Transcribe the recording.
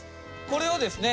これをですね